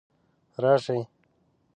راشي